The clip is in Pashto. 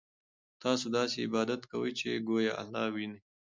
تاسو داسې عبادت کوئ چې ګویا الله وینئ.